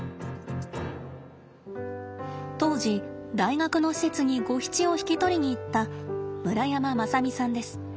当時大学の施設にゴヒチを引き取りに行った村山正巳さんです。